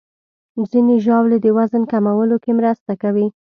ځینې ژاولې د وزن کمولو کې مرسته کوي.